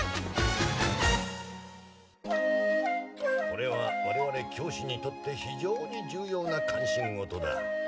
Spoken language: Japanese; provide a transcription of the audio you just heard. これはわれわれ教師にとって非常に重要な関心事だ。